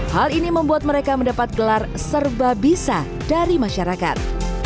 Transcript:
hal ini membuat mereka mendapat gelar serba bisa dari masyarakat